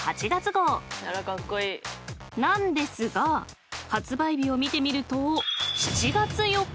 ［なんですが発売日を見てみると７月４日］